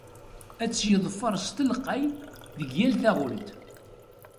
Ad t-yeḍfer s telqey deg yal taɣult.